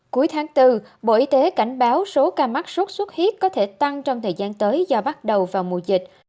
cuối tháng bốn bộ y tế cảnh báo số ca mất sốt xuất huyết có thể tăng trong thời gian tới do bắt đợi